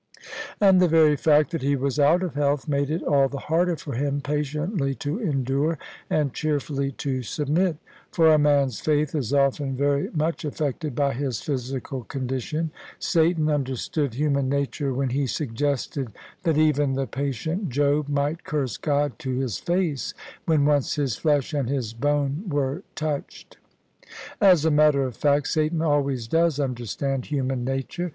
And the very fact that he was out of health made it all the harder for him patiently to endure and cheerfully to submit; for a man's faith is often very much affected by his physical condition. Satan understood human nature when he suggested that even the patient Job might curse God to His Face when once his flesh and his bone were touched. As a matter of fact, Satan always does imderstand human nature